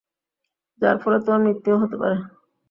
যার ফলে তোমার মৃত্যুও হতে পারে।